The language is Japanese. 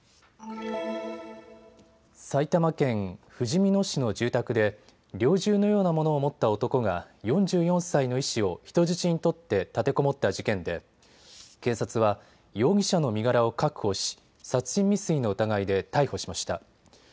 埼玉県ふじみ野市の住宅で猟銃のようなものを持った男が４４歳の医師を人質に取って立てこもった事件で警察は容疑者の身柄を確保し殺人未遂の疑いで逮捕しました。